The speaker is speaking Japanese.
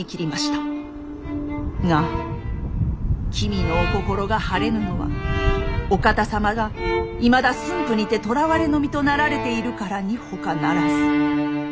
が君のお心が晴れぬのはお方様がいまだ駿府にてとらわれの身となられているからにほかならず。